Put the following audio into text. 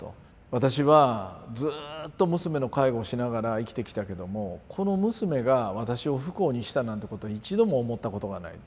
私はずっと娘の介護をしながら生きてきたけどもこの娘が私を不幸にしたなんてことは一度も思ったことがない。